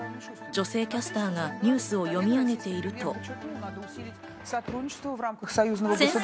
女性キャスターがニュースを読み上げていると。